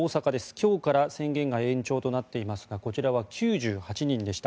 今日から宣言が延長となっていますがこちらは９８人でした。